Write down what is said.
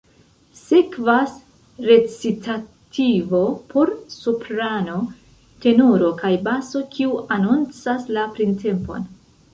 Sekvas recitativo por soprano, tenoro kaj baso, kiu anoncas la printempon.